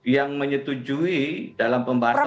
yang menyetujui dalam pembahasan